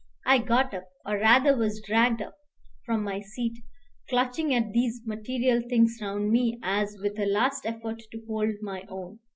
I got up, or rather was dragged up, from my seat, clutching at these material things round me as with a last effort to hold my own.